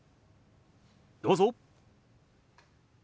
どうぞ。